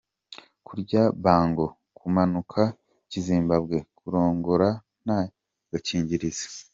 Kurya bango, kumanuka kizimbabwe : kurongora nta gakingirizo.